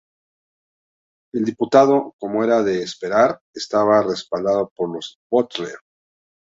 El Diputado, como era de esperar, estaba respaldado por los Butler.